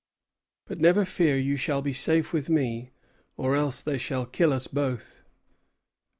But never fear; you shall be safe with me, or else they shall kill us both."